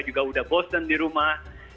juga sudah bosan di rumah